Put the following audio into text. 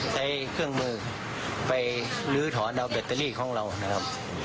ใช้เครื่องมือไปลื้อถอนเอาแบตเตอรี่ของเรานะครับ